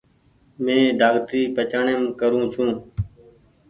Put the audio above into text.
مين ڊآڪٽري پچآڻيم ڪرو ڇو۔